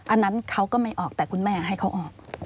อันนั้นเขาก็ไม่ออกแต่คุณแม่ให้เขาออก